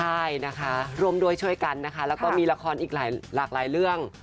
ใช่นะคะร่วมด้วยช่วยกันนะคะแล้วก็มีละครอีกหลากหลายเรื่อง